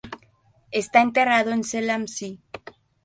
Está enterrado en Zell am See.